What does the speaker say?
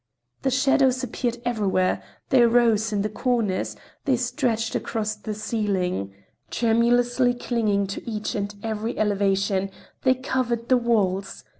The shadows appeared everywhere; they rose in the corners, they stretched across the ceiling; tremulously clinging to each and every elevation, they covered the walls.